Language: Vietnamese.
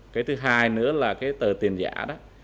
cái thứ hai nữa là cái tờ tiền giả đó